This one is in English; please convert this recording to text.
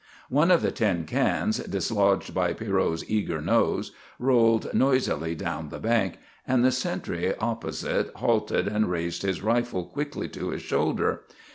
One of the tin cans, dislodged by Pierrot's eager nose, rolled noisily down the bank, and the sentry opposite halted and raised his rifle quickly to his shoulder.